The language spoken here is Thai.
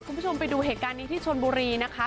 คุณผู้ชมไปดูเหตุการณ์นี้ที่ชนบุรีนะคะ